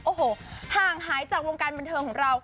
โอ้โหห่างหายจากวงการบันเทิงของเรา